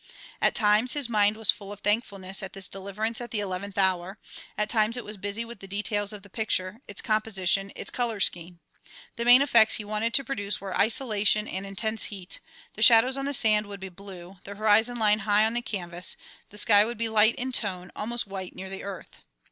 At times his mind was full of thankfulness at this deliverance at the eleventh hour; at times it was busy with the details of the picture, its composition, its colour scheme. The main effects he wanted to produce were isolation and intense heat, the shadows on the sand would be blue, the horizon line high on the canvas, the sky would be light in tone, almost white near the earth.